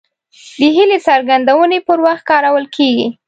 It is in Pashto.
د هیلې څرګندونې پر وخت کارول کیږي.